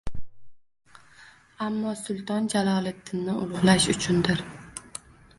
Ammo sulton Jaloliddinni ulug‘lash uchundir.